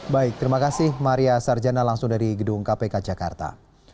baik terima kasih maria sarjana langsung dari gedung kpk jakarta